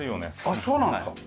あっそうなんですか。